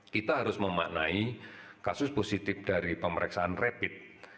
kita harus memaknai kasus positif dari pemeriksaan rapid